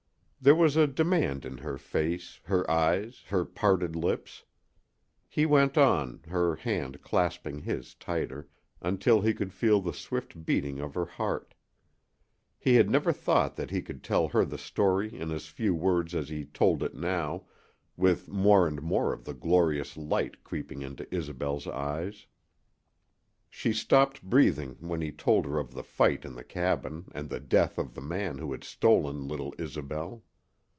There was a demand in her face, her eyes, her parted lips. He went on, her hand clasping his tighter, until he could feel the swift beating of her heart. He had never thought that he could tell the story in as few words as he told it now, with more and more of the glorious light creeping into Isobel's eyes. She stopped breathing when he told her of the fight in the cabin and the death of the man who had stolen little Isobel.